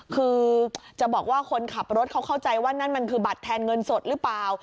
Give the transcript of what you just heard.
คือจะบอกว่าคนขับรถเขาเข้าใจว่านั่นมันคือบัตรแทนเงินสดหรือเปล่า